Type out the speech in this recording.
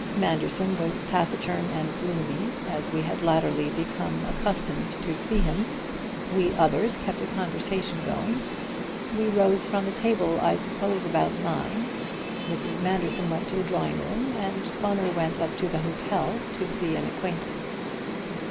Manderson was taciturn and gloomy, as we had latterly been accustomed to see him. We others kept a conversation going. We rose from the table, I suppose, about nine. Mrs. Manderson went to the drawing room, and Bunner went up to the hotel to see an acquaintance.